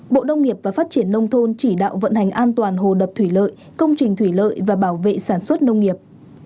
bộ nông nghiệp và phát triển nông thôn chỉ đạo vận hành an toàn hồ đập thủy lợi công trình thủy lợi và bảo vệ sản xuất nông nghiệp